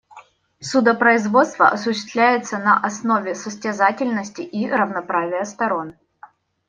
Судопроизводство осуществляется на основе состязательности и равноправия сторон.